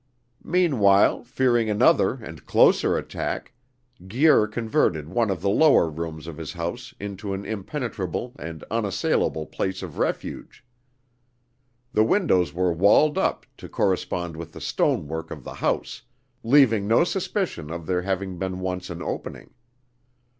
Meanwhile, fearing another and closer attack, Guir converted one of the lower rooms of his house into an impenetrable and unassailable place of refuge. The windows were walled up, to correspond with the stonework of the house, leaving no suspicion of there having been once an opening.